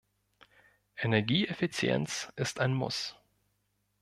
Energieeffizienz ist ein Muss.